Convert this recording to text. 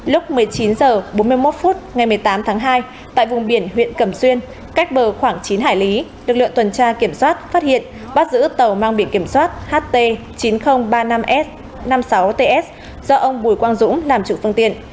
lúc một mươi chín h bốn mươi một phút ngày một mươi tám tháng hai tại vùng biển huyện cầm xuyên cách bờ khoảng chín hải lý lực lượng tuần tra kiểm soát phát hiện bắt giữ tàu mang biển kiểm soát ht chín nghìn ba mươi năm s năm mươi sáu ts do ông bùi quang dũng làm chủ phương tiện